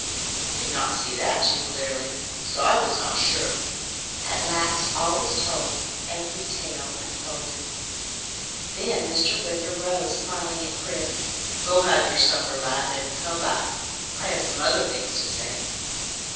I did not see that too clearly, and so I was not sure." At last all was told; every tale unfolded. Then Mr. Wicker rose, smiling at Chris. "Go have your supper lad, and come back. I have some other things to say."